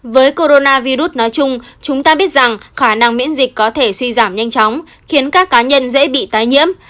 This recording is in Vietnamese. với coronavirus nói chung chúng ta biết rằng khả năng miễn dịch có thể suy giảm nhanh chóng khiến các cá nhân dễ bị tái nhiễm